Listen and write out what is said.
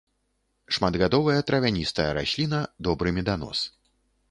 Шматгадовая травяністая расліна, добры меданос.